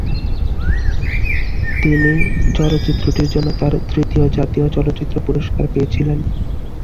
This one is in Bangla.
তিনি চলচ্চিত্রটির জন্য তার তৃতীয় জাতীয় চলচ্চিত্র পুরস্কার পেয়েছিলেন।